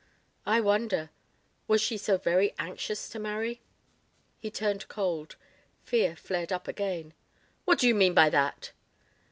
"I wonder. Was she so very anxious to marry?" He turned cold. Fear flared up again. "What do you mean by that?"